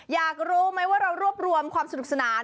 อยากรู้ไหมว่าเรารวบรวมความสนุกสนาน